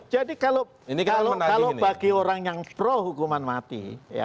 jadi kalau bagi orang yang pro hukuman mati